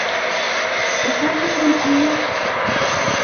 Уға тиклем әллә